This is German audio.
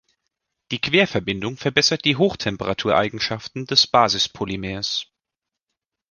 Die Querverbindung verbessert die Hochtemperatureigenschaften des Basispolymers.